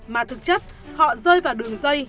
mà thực chất họ rơi vào đường dây